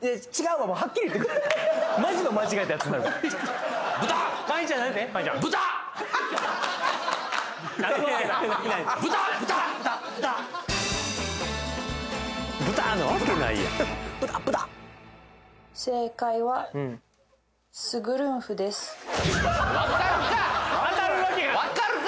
わかるか！